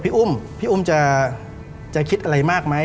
พี่อุ้มพี่อุ้มจะคิดอะไรมากมั้ย